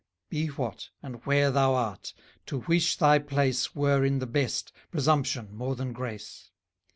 Be what, and where thou art; to wish thy place, Were, in the best, presumption more than grace.